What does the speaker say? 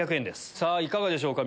いかがでしょうか？